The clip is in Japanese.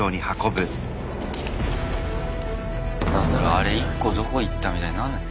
あれ１個どこいったみたいになんない？